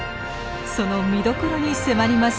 その見どころに迫ります。